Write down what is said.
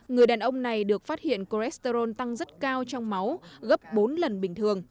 người đàn ông này được phát hiện cholesterol tăng rất cao trong máu gấp bốn lần bình thường